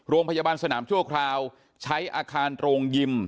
โรงพยาบาลสนามชั่วคราวใช้อาคารโรงยิม